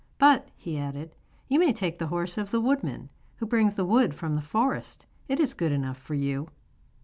'But,' he added, 'you may take the horse of the woodman who brings the wood from the forest, it is good enough for you.